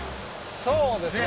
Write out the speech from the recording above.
そうですね。